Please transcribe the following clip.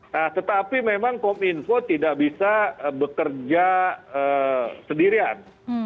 nah tetapi memang kominfo tidak bisa bekerja sendirian